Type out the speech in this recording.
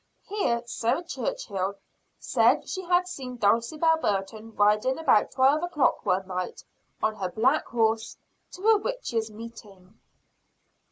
Here Sarah Churchill said she had seen Dulcibel Burton riding about twelve o'clock one night, on her black horse, to a witches' meeting.